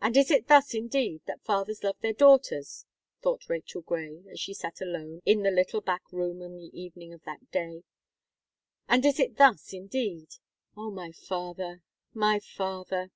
"And is it thus, indeed, that fathers love their daughters?" thought Rachel Gray, as she sat alone in the little back room on the evening of that day. "And is it thus, indeed! Oh! my father my father!"